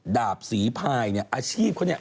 ดาบศรีพายเนี่ยอาชีพเขาเนี่ย